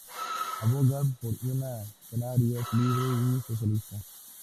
Abogan por una Canarias libre y socialista.